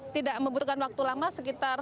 tidak membutuhkan waktu lama sekitar